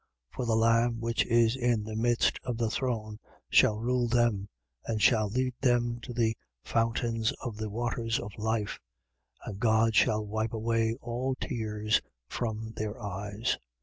7:17. For the Lamb, which is in the midst of the throne, shall rule them and shall lead them to the fountains of the waters of life: and God shall wipe away all tears from their eyes.